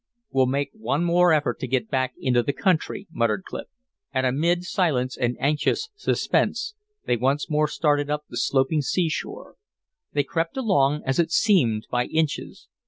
"We'll make one more effort to get back into the country," muttered Clif. And amid silence and anxious suspense they once more started up the sloping seashore. They crept along as it seemed by inches.